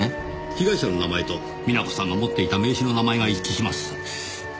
被害者の名前と美奈子さんが持っていた名刺の名前が一致します。